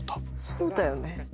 そうだよね？